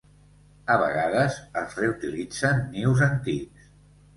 A vegades es reutilitzen nius antics.